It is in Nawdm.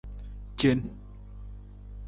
Cen.